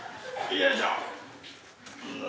よいしょ！